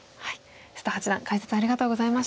瀬戸八段解説ありがとうございました。